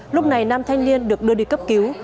lúc này nam thanh niên được đưa đi cấp cứu